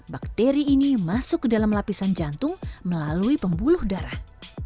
bakteri ini masuk ke dalam lapisan jantung melalui pembuluh darah